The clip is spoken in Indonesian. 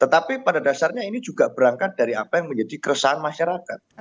tetapi pada dasarnya ini juga berangkat dari apa yang menjadi keresahan masyarakat